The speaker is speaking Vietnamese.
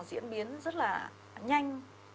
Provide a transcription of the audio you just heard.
diễn biến rất là nhanh